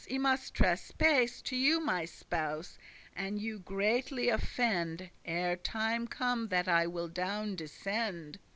I must trespace To you, my spouse, and you greatly offend, Ere time come that I will down descend.